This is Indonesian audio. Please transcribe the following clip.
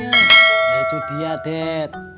ya itu dia dad